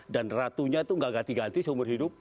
dan ratunya itu gak ganti ganti seumur hidup